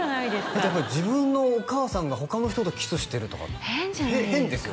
だって自分のお母さんが他の人とキスしてるとか変じゃないですか？